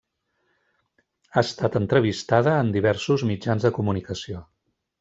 Ha estat entrevistada en diversos mitjans de comunicació.